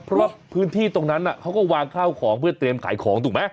เพราะว่าพื้นที่ตรงนั้นเขาก็วางข้าวของเพื่อเตรียมขายของถูกไหม